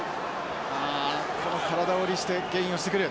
この体を利してゲインをしてくる。